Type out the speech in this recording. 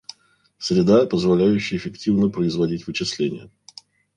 Среда позволяющая эффективно производить вычисления